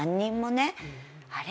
「あれ？